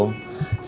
saya mau pergi